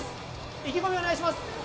意気込みをお願いします。